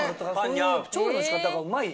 調理のしかたがうまい。